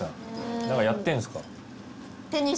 何かやってんですか？